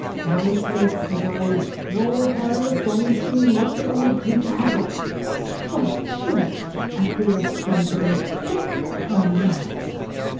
"And I sez, sez I, no harm is done in seein' what the old creetur had got." "Well, surely," acquiesced Elizabeth, "there is no harm in that."